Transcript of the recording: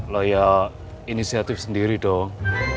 lo ya inisiatif sendiri dong